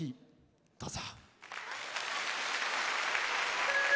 どうぞ。